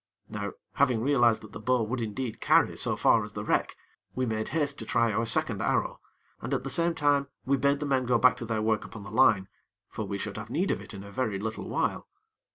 Now, having realized that the bow would indeed carry so far as the wreck, we made haste to try our second arrow, and at the same time we bade the men go back to their work upon the line; for we should have need of it in a very little while.